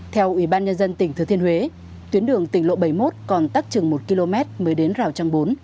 theo ủy ban nhân dân tỉnh thừa thiên huế tuyến đường tỉnh lộ bảy mươi một còn tắc chừng một km mới đến rào trăng bốn